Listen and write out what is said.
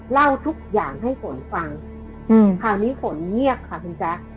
เล่าทุกอย่างให้ฝนฟังคราวนี้ฝนเงียบค่ะคุณแจ๊ค